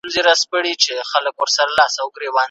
سياست د ژوند په هره برخه کې مهم رول لوبوي.